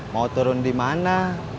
mau turun dimana